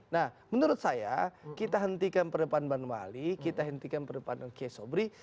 nah menurut saya kita hentikan perdebatan ban wali kita hentikan perdebatan nekie sobri